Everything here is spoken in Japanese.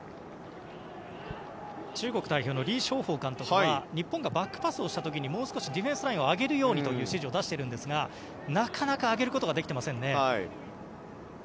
中国代表のリ・ショウホウ監督は日本がバックパスの時もう少しディフェンスラインを上げるようにという指示を出しているんですがなかなか上げることができていませんね。